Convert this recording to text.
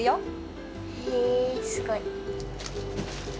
へえすごい。